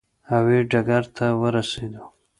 هوا یي ډګر ته ورسېدو.